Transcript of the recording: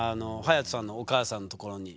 隼人さんのお母さんのところに。